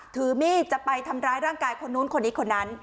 ถือมีดจะไปทำร้ายร่างกายคนนู้นคนนี้คนนั้น